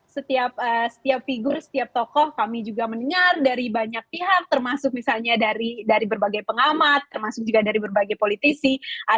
setiap figur setiap tokoh kami juga mendengar dari banyak pihak termasuk misalnya dari berbagai pengamat termasuk juga dari berbagai politisi